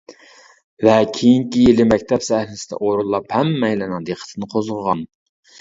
ۋە كېيىنكى يىلى مەكتەپ سەھنىسىدە ئورۇنلاپ ھەممەيلەننىڭ دىققىتىنى قوزغىغان.